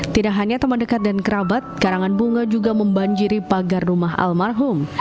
tidak hanya teman dekat dan kerabat karangan bunga juga membanjiri pagar rumah almarhum